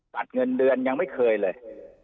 ตัดเงินเดือนยังไม่เคยเลย